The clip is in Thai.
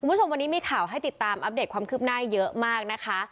คุณผู้ชมวันนี้มีข่าวให้ติดตามอัปเดตความคืบหน้าเยอะมากนะคะ